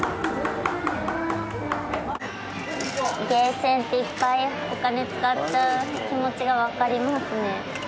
ゲーセンっていっぱいお金使っちゃう気持ちが分かりますね。